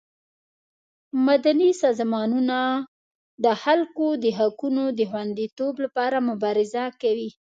مدني سازمانونه د خلکو د حقونو د خوندیتوب لپاره مبارزه کوي.